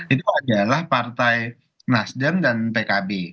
itu adalah partai nasdem dan pkb